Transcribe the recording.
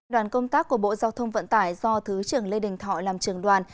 đoàn công tác của bộ giao thông vận tải do thứ trưởng lê đình thọ làm trường đoàn